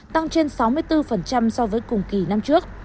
tăng trên sáu mươi bốn so với cùng kỳ năm trước